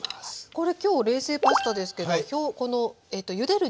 これ今日冷製パスタですけどゆでる